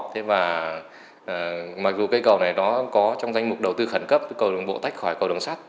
thế mà mặc dù cây cầu này nó có trong danh mục đầu tư khẩn cấp để cầu đường bộ tách khỏi cầu đường sắt